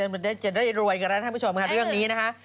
มันจะได้รวยกันแล้วท่านผู้ชมค่ะเรื่องนี้นะคะ